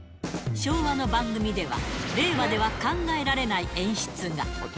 昭和の番組では、令和では考えられない演出が。